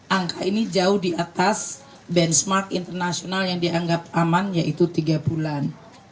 angka ini jauh di atas benchmark internasional yang dianggap aman yaitu tiga bulan